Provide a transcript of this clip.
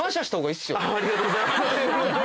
ありがとうございます。